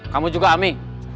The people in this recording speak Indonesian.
kamu juga ami